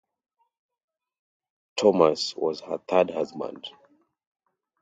Thomas was her third husband.